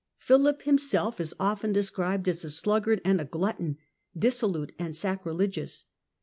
Philip himself is ^^^^ ^^o^ often described as a sluggard and a glutton, dissolute and sacrilegious.